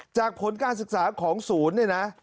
ผลการศึกษาของศูนย์เนี่ยนะ